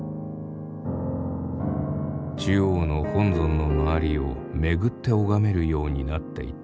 中央の本尊の周りを巡って拝めるようになっていた。